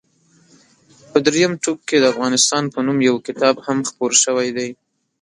په درېیم ټوک کې د افغانستان په نوم یو کتاب هم خپور شوی دی.